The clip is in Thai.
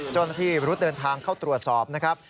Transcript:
เจ้าหน้าที่รุดเดินทางเข้าตรวจสอบนะครับ